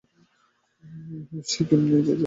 সে জায়গায় যাবার জন্য কি বিদায় নেবার দরকার হয়।